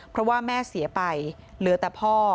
เพราะว่าแม่เสียไปเหลือแต่พ่อ